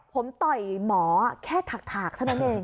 ผมต่อยหมอแค่ถากเท่านั้นเอง